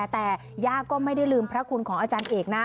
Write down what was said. แต่ย่าก็ไม่ได้ลืมพระคุณของอาจารย์เอกนะ